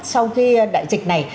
sau khi đại dịch này